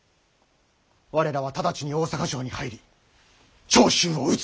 我らは直ちに大坂城に入り長州を討つ。